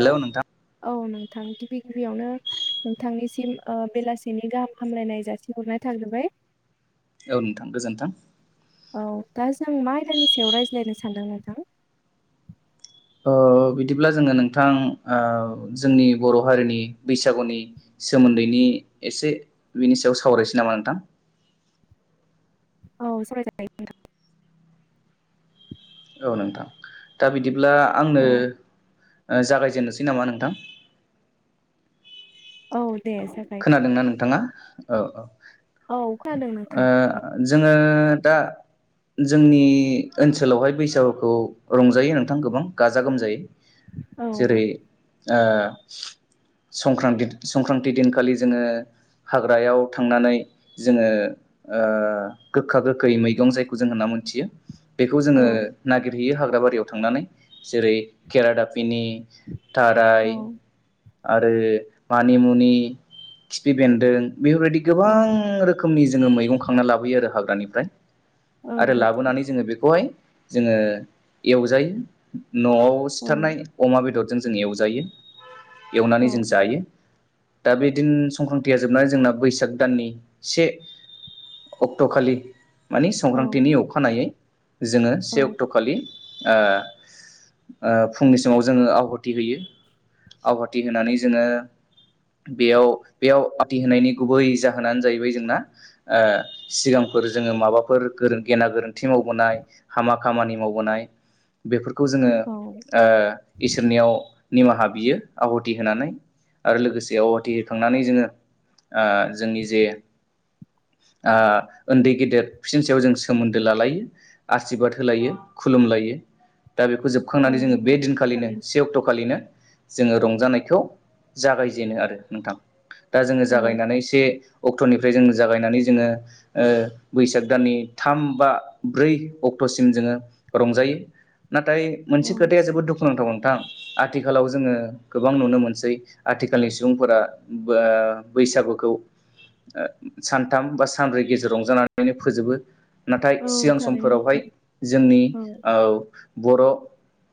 Hello औ नोंथां गिबि गिबियावनो नोंथांनिसिम ओ बेलासिनि गाहाम हामलायनाय जासिहरनाय थाग्रोबाय। औ नोंथां गोजोनथों। औ दा जों मा आयदानि सायाव रायज्लायनो सानदों नोंथां? ओ बिदिब्ला जोङो नोंथां ओ जोंनि बर' हारिनि बैसागुनि सोमोन्दैनि एसे बिनि सायाव सावरायसै नामा नोंथां? औ सावरायजायो नोंथां। औ नोंथां दा बिदि अब्ला आंनो औ जागायजेननोसै नामा नोंथां? औ। दे जाबाय खोनादोंना नोंथाङा औ औ औ खोनादों ओ नोंथां जों ङो दा जोंनि ओनसोलावहाय बैसागुखौ रंजायो नोंथां गोबां गाजा गोमजायै। औ जेरै ओ संक्रान्त संक्रान्ति दिन खालि जोङो हाग्रायाव थांनानै जोङो ओ गोखा गोखै मैगं जायखौ जों होनना मोनथियो बेखौ औ जोङो नागिरहैनो हाग्रा बारियाव थांनानै जेरै केरादाफिनि थाराय औ आरो मानिमुनि खिफि बेन्दों बेफोरबायदि गोबां औ रोखोमनि जोङो मैगं खांना लाबोयो आरो हाग्रानिफ्राय। औ आरो नोंथां लाबोनानै जोङो बेखौ बेखौहाय जोङो एवजायो न'आव औ सिथारनाय अमा बेदरजों जों एवजायो। औ एवनानै जों जायो । दा बिदिनो संक्रान्तिया जोबनानै जोंना बैसाग दाननि से अक्ट'खालि माने औ संक्रान्तिनि अखानायै जोङो से औ अक्ट'खालि ओ ओ फुंनि समाव जोङो आहुथि होयो आवहाथि होनानै जोङो बेयाव बेयाव आति होनायनि गुबै जाहोनानो जाहैबाय जोंना सिगांफोर जोङो माबाफोर गोरों गेना गोरोन्थि थि मावबोनाय हामा खामानि माव गनाय बेफोर खौ जोङो औ ओ इसोरनियाव निमाहा बियो आहुथि होनानै आरो लोगोसे बेयाव आवाहाथिखांनानै जोङो आ जोंनि जे आ उन्दै गेदेर बिसोरनि सायाव जों सोमोन्दो लालायो आसिरबाद होलायो खुलुमलायो । दा बेखौ जोबखांनानै जोङो बे नोंथां दिनखालिनो थारैनो से अक्ट'खालिनो जोङो रंजानायखौ जागाय जेनो आरो नोंथां । दा जोङो औ जागायनानै एसे अक्ट'निफ्राय जों जागायनानै जोङो ओ बैसाग दाननि थाम बा ब्रै अक्ट'सिम जोङो रंजायो ना थाय मोनसे औ खोथाया जोबोद दु खुनांथाव नोंथां आथिखालाव जोङो गोबां नुनो मोनसै आथि खालनि सुबुंफोरा बैसागुखौ सानथाम बा सानब्रै गेजेर रंजानानैनो फोजोबो । नाथाय औ सिगां थारैनो समफोरावहाय नोंथां जोंनि औ ओ बर'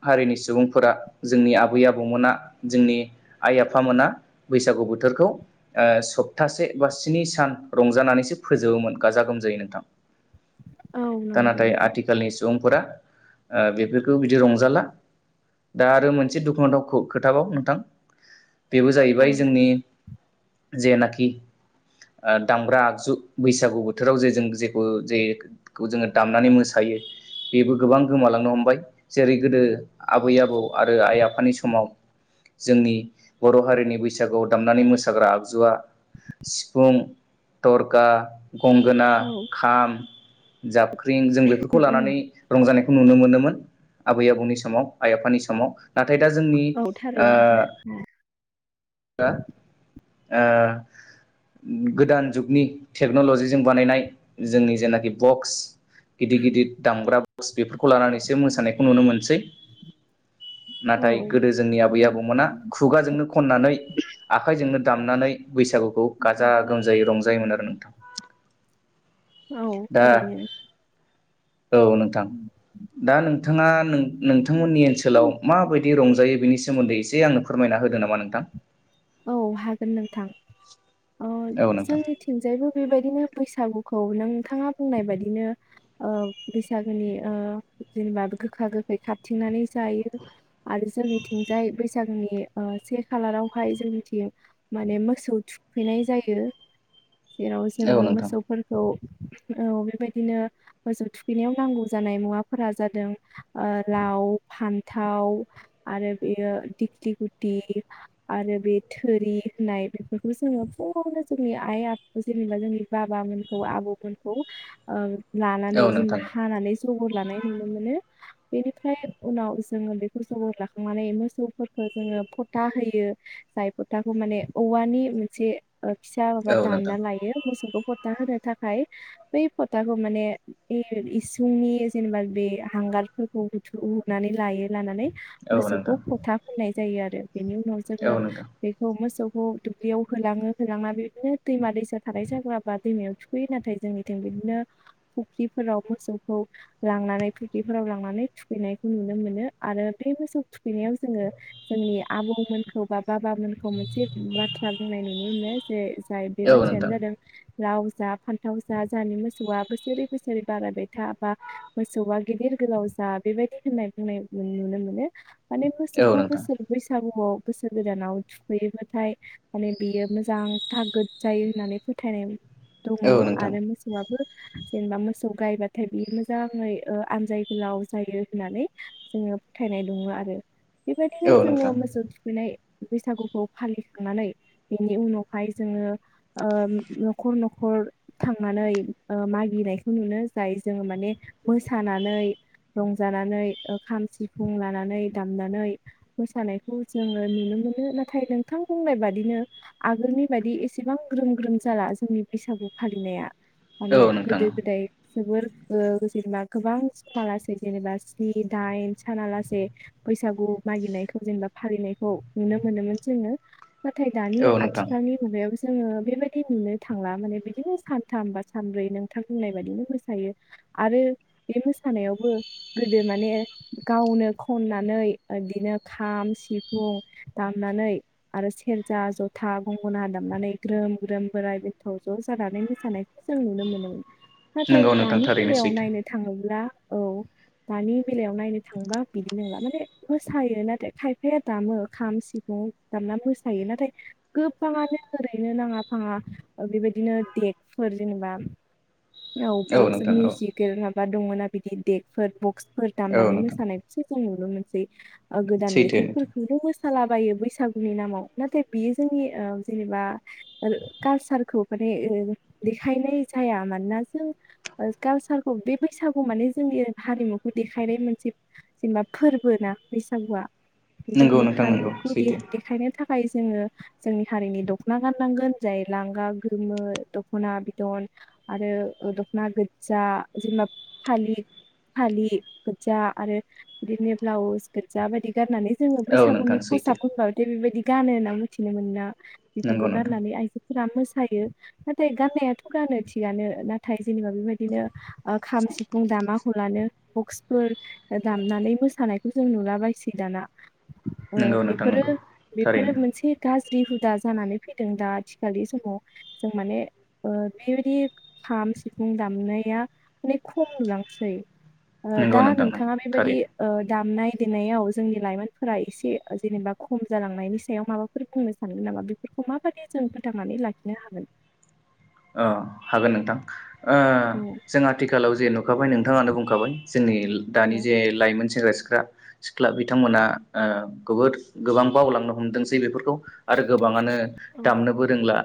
हारिनि सुबुंफोरा जोंनि आबै आबौमोना जोंनि आइ आफामोना बैसागु बोथोरखौ आ सप्तासे बा स्नि सान रंजानानैसो फोजोबो गाजा गोमजायै नोंथां औ । दा नंगौ नाथाय नोंथां आथिखालनि सुबुंफोरा ओ बेफोरखौ बिदि रंजाला दा आरो मोनसे दुखुनांथाव खोथााबाव नोंथां बेबो औ जाहैबाय जोंनि जेनाखि आ दामग्रा आगजु बैसागु बोथोराव जे जों जेखौ जे जोङो दामनानै मोसायो बेबो गोबां गोमालांनो हमबाय जेरै गोदो आबै आबौ आरो आइ आफानि समाव जोंनि बर' हारिनि बैसागुआव दामनानै मोसाग्रा आगजुआ सिफुं थरखा गंगोना औ खाम जाबख्रिं जों उम बेफोरखौ उम लानानै रंजानायखौ नु नुनो मोनोमोन आबै आबौनि समाव आइ आफानि समाव नाथाय दा जोंनि औ आ थारैनो नोंथां ओ गोदान जुगनि टेक्न'लजिजों बानायनाय जोंनि जेनाखि बक्स गिदिर गिदिर दामग्रा बस बेफोरखौ लानानैसो मोसानायखौ नुनो मोनसै औ नाथाय गोदो जोंनि आबै आबौमोना खुगाजोंनो खननानै आखाइजोंनो दामनानै बैसागुखौ गाजा गोमजायै औ रंजायोमोन आरो नोंथां । औ थारैनो औ नोंथां दा नोंथाङा नोंथांमोननि ओनसोलाव माबायदि रंजायो बेनि सो सोमोन्दै एसे आंनो फोरमायना होदो नामा नोंथां? औ हागोन नोंथां । औ अ नोंथां जोंनिथिंजायबो बेबायदिनो बैसागुखौ नोंथाङा बुंनाय बायदिनो ओ बैसागोनि ओ जेनेबा गोखा गोखै खाथथिंनानै जायो आरो जोंनिथिंजाय बैसागोनि ओ से खालाराव बेहाय जोंनिथिं माने मोसौ थुखैनाय जायो। जेराव औ जोङो नोंथां मोसौफोरखौ औ बेबायदिनो मोसौ थुखैनायाव नांगौ जानाय मुवाफोरा जादों ओ लाउ, फान्थाव आरो बेयो दिखलिगुथि आरो बे थोरि होननाय बेफोरखौ जोङो फुङावनो जोंनि आइ आफा जेनेबा जोंनि बाबामोनखौ आबौमोनखौ ओ औ लानानै जेनेबा नोंथां हानानै जगर लानाय नुनो मोनो। बेनिफ्राय उनाव जोङो बेफोर जगर लाखांनानै मोसौफोरखो जोङो फथा होयो। जाय फथाखौ माने औवानि मोनसे ओ फिसा माबा औ दानना नोंथां लायो मोसौखौ। फथा होनो थाखाय बै फथाखौ माने इ -इसुंनि जेनेबा बे हांगारफोरखौ उथुमुनानै लायो लानानै औ मोसौखौ नोंथां फथा फोननाय जायो आरो बिनि उनाव जोङो औ नोंथां बेखौ मोसौ दुब्लियाव होलाङो होलांना बिदिनो दैमा दैसा थानाय जाग्राबा दैमायाव थुखैयो। नाथाय जोंनिथिं बिदिनो फुख्रिफोराव मोसौखौ लांनानै फुख्रिफोराव लांनानै थुखैनायखौ नुनो मोनो। आरो बे मोसौ थुखैनायाव जोङो जोंनि आबौमोन खौ बा बाबामोनखौ मोनसे बाथ्रा बुंनाय नुनो मोनो जे [unintelligible] बे औ बाथ्रायानो नोंथां जादों लाउ जा फान्थाव जा जानि मोसौआ बोसोरै बोसोरै बारायबाय था बा मोसौआ गिदिर गोलाव जा बेबायदि होननाय बुंनाय नुनो मोनो। माने औ मोसौखौ नोंथां बोसोर बैसागु औ। बोसोर गोदानाव थुखैयोबाथाय माने बियो मोजां थागोद जायो होननानै फोथायनाय दङ' औ नोंथां आरो मोसौआबो जेनेबा मोसौ गायबाथाय बियो मोजाङै ओ आनजाय गोलाव जायो होननानै जोङो फोथायनाय दङ' आरो औ बेबायदिनो नोंथां जोङो मोसौ थु [unintelligible] बैसागुखौ फालिखांनानै बेनि उनावहाय जोङो ओम न'खर न'खर थांनानै ओ मागिनायखौ नुनाय जाय जोङो माने मोसानानै रंजानानै खाम, सिफुं लानानै दामनानै मोसानायखौ जोङो नुनो मोनो। नाथाय नोंथां बुंनाय बादिनो आगोलनि बायदि एसेबां ग्रोम ग्रोम जाला जोंनि बैसागु फालिनाया। औ माने नोंथां गोदो गोदाय जोबोद ओ जेनेबा गोबां समालासे जेनेबा स्नि दाइन सानालासे बैसागु मागिनायखौ जेनेबा फालिनायखौ नुनो मोनोमोन जोङो। नाथाय दानि औ नोंथां आथिखालनि मुगायाव जोङो बेबायदि नुनो थांला माने बिदिनो सानथाम बा सानब्रै नोंथां बुंनाय बाददिनो मोसायो आरो बे मोसानायावबो गोदो माने गावनो खननानै बिदिनो खाम, सिफुं दामनानै आरो सेरजा, जथा, गंगना दामनानै ग्रोम ग्रोम बोराय बेथ' ज' जानानै मोसानायखौ जों नुनो मोनोमोन। नाथाय नंगौ नोंथां दानि थारैनो बेलायाव सैथो नायनो थाङोब्ला औ दानि बेलायाव नायनो थाङोबा बिदि नंला माने मोसायो। नाथाय खाय फाया दामो खाम, सिफुं दामना मोसायो। नाथाय गोबाङानो ओरैनो नाङा फाङा बेबायदिनो देगफोर जेनेबा औ बक्सजों नोंथां औ मिउसिकेल दङोना बिदि देकफोर बक्स देब औ दामनानै नोंथां मोसानायखौसो जों मोनसेै आगोदान सैथो मेथाइ नोंथां मोसालाबायो बैसागुनि नामाव नाथाय बियो जोंनि ओ जेनेबा कालसारखौ माने देखायनाय जाया मानोना जों कालसारखौ बे बैसागु माने जोंनि हारिमुखौ देखायनाय मोनसे जेनेबा फोरबो ना बैसागुआ नंगौ जोंनि नोंथां नंगौ हारिमुखौ सैथो देखायनो थाखाय जोङो जोंनि हारिनि दख'ना गाननांगोन जाय लांगा गोमो दख'ना बिदन आरो दख'ना गो्जा जेनेबा फालि गो्जा आरो बिदिनो ब्लाउस गो्जा बायदि गाननानै जोङो औ बैसागुनि नोंथां सैथो फसाब ख म दे बेबायदि गानो होनना मिथिनो मोना नंगौ बेफोरखौ नोंथां गारनानै आइजोफोरा मो थायो नाथाय गाननायाथ' गानो थिगानो नाथाय जेनेबा बेबायदिनो खाम सिफुं दामा हलानो बक्सफोर दामनानै मोसानायखौ जों नुलाबायसै दाना ओ नंगौ नोंथां बेफोरो नंगौ बेफोरो थारैनो मोनसे गाज्रि हु्रि हुदा जानानै फैदों दा आथिखालनि समाव जों माने बेबायदि खाम सिफुं दामनाया अनेक खम नुलांसै ओ नंगौ दा नोंथां नंगौ नोंथाङा बेबायदि थारैनो ओ दामनाय फदेनायाव जोंनि लाइमोन फोरा एसे जेनेबा खम जालांनायनि सायावहाय माबाफोर बुंनो सानगोन नामा बेफोरखौ माबादि जों फोथांनानै लाखिनो हागोन? अ हागोन नोंथां ओ औ जों आथिखालाव जेन' होखाबाय नोंथाङानो बुंखाबाय। जोंनि दानि जे लाइमोन सेंग्रा सिख्ला सिख्ला बिथांमोना ओ गोबोद गोबां बावलांनो हमदोंसै बेफोरखौ आरो गोबाङानो औ दामनोबो रोंला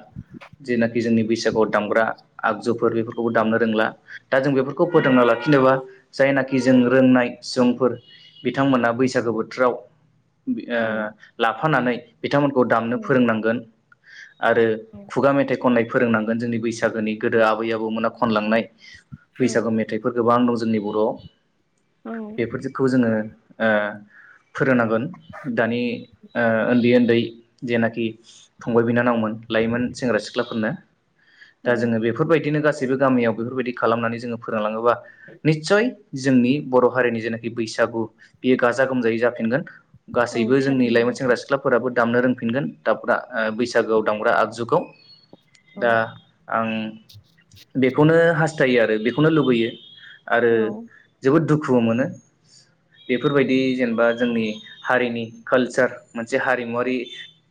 जेनाखि जोंनि बैस जाय दामग्रा आगजुफोर बेफोरखौबो दामनो रोंला दा जों बेफोरखौ औ फोथांना लाखिनोबा जायनाखि जों रोंनाय सुबुंफोर बिथांमोना बैसागो बोथोराव ओ औ लाफानानै बिथांमोनखौ दामनो औ फोरोंनांगोन आरो खुगा मेथाइ खननाय फोरोंनांगौ जोंनि बैसागोनि गोदो आबै आबौमोना खनलांनाय बैसागु औ मेथाइफोर गोबां रंज जोंनि बर' औ बेफोरखौ जोङो ओह फोरोंनांगोन दानि ओ उन्दै उन्दै जेनाखि फंबाय बिनानावमोन लायोमोन सेंग्रा सिख्लाफोरनो दा औ जोङो बेफोरबायदिनो गासैबो गासैबो गामियाव बेफोरबायदि खालामनानै जोङो फोरोंलाङो ब्ला नित्सय जोंनि बर' हारिनि जेनाखि बैसागु बेयो गाजा गोमजायै जाफिनगोन औ गासैबो जोंनि थारैनो लाइमोन नोंथां। सेंग्रा सिख्लाफोराबो दामनो रोंफिनगोन दामग्रा बैसागोआव दामग्रा आगजुखौ दा औ आं बेखौनो हास हास्थायो आरो बेखौनो लुबैयो। आरो औ जोबोद दुखु दुखु मोनो बेफोरबायदि जेनेबा जोंनि हारिनि कालसार मोनसे हारिमुवारि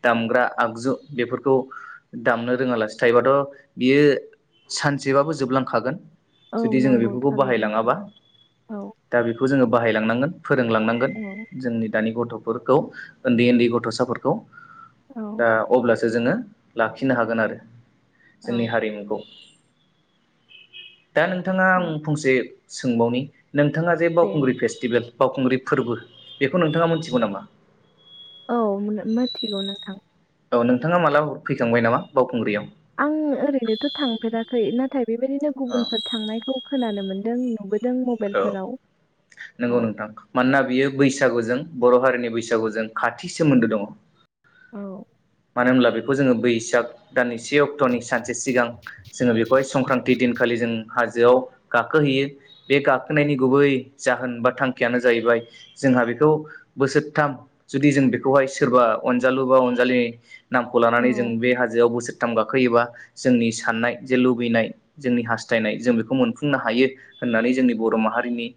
दामग्रा आगजु बेफोरखौ दामनो रोङालासिनो थायोबाथ' बियो सानसेबाबो जोबलांखागोन। औ जुदि जोङो नंगौ बेफोरखौ थारैनो नोंथां बाहायलाङाबा औ दा बेखौ जोङो बाहायलांनांगोन फोरोंलांनांगोन औ जोंनि दानि गथ'खौ फोरखौ उन्दै उन्दै गथ'साफोरखौ औ दा अब्ला जों जोङो लाखिनो हागोन आरो जोंनि औ हारिमुखौ दा नोंथाङा औ आं फंसे सोंबावनि नोंथाङा जे दे बावखुंग्रि फेस्टिभेल बावखुंग्रि फोरबो बेखौ नोंथाङा मोनथिगौ नामा? औ मिथिगौ नोंथां औ नोंथाङा मालाबाफोर फैखांबाय नामा बावखुंग्रियाव? आं ओरैनोथ' थांफेराखै नाथाय बेबायदिनो गुबुनफोर थांनायखौ खोनानो मोनदों नुबोदों। औ मबाइलफोराव औ नंगौ नोंथां मानोना बियो बैस बैसागुजों बर' हारिनि बैसागुजों खाथि सोमोन्दो दङ। औ मानो होनब्ला बेखौ जोङो बैसाग दाननै से अक्ट'नि सानसे सिगां जोङो बेखौहाय संक्रान्ति दिनखालि जों हाजोआव गाखोहैयो बे गाखोनायनि गुबै जाहोन बा थांखियानो जाहैबाय जोंहा बेखौ बोसोरथाम जुदि जों बेखौहाय सोरबा अनजालु बा अनजालि नामखौ औ लानानै जों बे हाजोआव बोसोर थाम गाखोयोबा जोंनि साननाय जे लुबैनाय जोंनि हास्थायनाय जों बेखौ मोनफुंनो हायो होननानै जोंनि बर' माहारिनि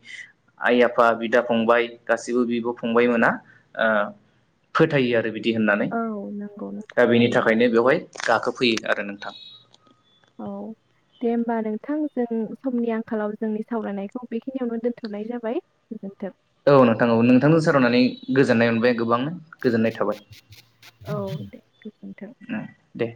आइ आफा बिदा फंबाय गासिबो बिब' फंबाय मोना फोथायो आरो बिदि होननानै औ नंगौ नोंथां दा बेनि थारैनो थाखायनो बेवहाय गाखोफैयो आरो नोंथां औ दे होमबा नोंथां जों समनि आंखालाव जोंनि सावरायनायखौ बेखिनियावनो दोनथ'नाय जाबाय गोजोनथों। औ नोंथां औ नोंथांजों सारावनानै गोजोननाय मोनबाय गोबां। गोजोननाय थाबाय औ दे गोजोन्थों ओ दे।